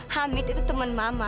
hamid itu temen mama